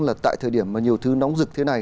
là tại thời điểm mà nhiều thứ nóng rực thế này